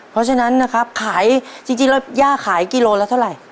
เพราะฉะนั้นนะครับขายจริงแล้วย่าขายกิโลละเท่าไหร่